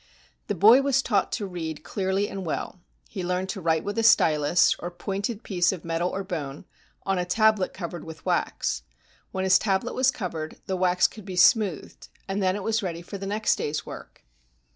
The boy was taught to read clearly and well. He learned to write with a stylus, or pointed piece of metal or bone, on a tablet covered with wax. When his tablet was covered, the wax could be smoothed, and then it was ready for the next day's work.